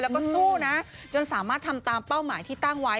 แล้วก็สู้นะจนสามารถทำตามเป้าหมายที่ตั้งไว้